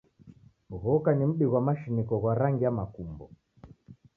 Ghoka ni mdi ghwa mashiniko ghwa rangi ya makumbo.